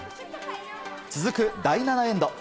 続く第７エンド。